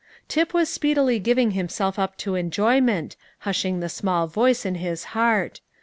Tip was speedily giving himself up to enjoyment, hushing the small voice in his heart.